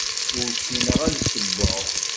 Ur ssineɣ ad ssewweɣ.